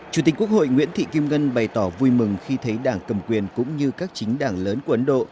chủ tịch quốc hội nguyễn thị kim ngân bày tỏ vui mừng khi thấy đảng cầm quyền cũng như các chính đảng lớn của ấn độ